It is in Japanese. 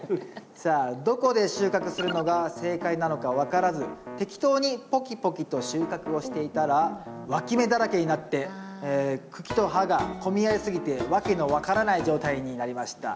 さあ「どこで収穫するのが正解なのか分からず適当にポキポキと収穫をしていたらわき芽だらけになって茎と葉が混み合い過ぎてわけの分からない状態になりました。